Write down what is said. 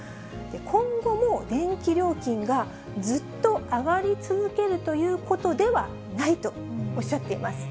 今後も電気料金がずっと上がり続けるということではないとおっしゃっています。